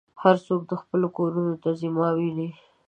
هر څوک خپلو کورونو ته ځي ما وینې.